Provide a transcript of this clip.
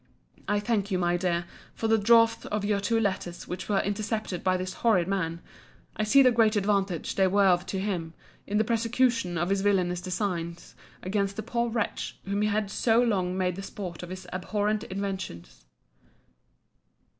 I thank you, my dear, for the draughts of your two letters which were intercepted by this horrid man. I see the great advantage they were of to him, in the prosecution of his villanous designs against the poor wretch whom he had so long made the sport of his abhorred inventions.